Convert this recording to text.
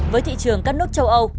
với thị trường các nước châu âu